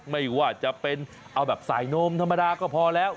ไม่ว่าจะเป็นเอาแบบสายโน้มที่๓ก็พอแล้ว